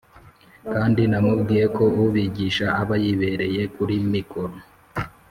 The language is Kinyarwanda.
kandi namubwiye ko ubigisha aba yibereye kuri mikoro